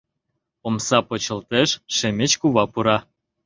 Омса почылтеш, Шемеч кува пура.